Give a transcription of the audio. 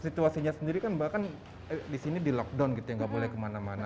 situasinya sendiri kan bahkan di sini di lockdown gitu ya nggak boleh kemana mana